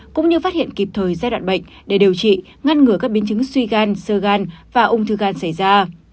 cũng như phát hiện kịp thời giai đoạn bệnh để điều trị ngăn ngừa các biến chứng suy gan sơ gan và ung thư gan xảy ra